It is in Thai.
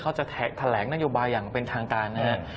เขาจะแถลงนโยบายอย่างเป็นทางการนะครับ